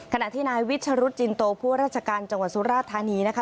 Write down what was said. ขณะที่นายวิชรุธจินโตผู้ราชการจังหวัดสุราธานีนะคะ